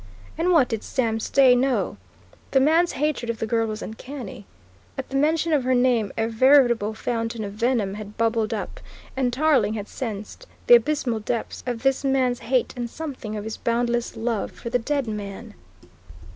And what did Sam Stay know? The man's hatred of the girl was uncanny. At the mention of her name a veritable fountain of venom had bubbled up, and Tarling had sensed the abysmal depths of this man's hate and something of his boundless love for the dead man.